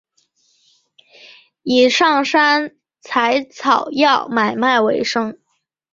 以上山采草药买卖为生。